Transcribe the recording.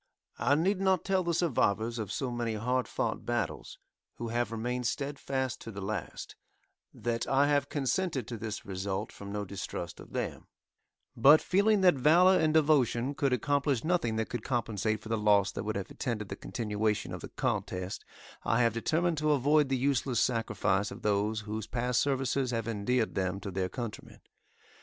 I need not tell the survivors of so many hard fought battles, who have remained steadfast to the last, that I have consented to this result from no distrust of them; but, feeling that valor and devotion could accomplish nothing that could compensate for the loss that would have attended the continuation of the contest, I have determined to avoid the useless sacrifice of those whose past services have endeared them to their countrymen.